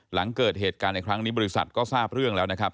หลังเกิดเหตุการณ์ในครั้งนี้บริษัทก็ทราบเรื่องแล้วนะครับ